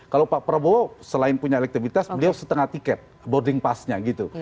kalau pak prabowo selain punya elektabilitas beliau setengah tiket boarding passnya gitu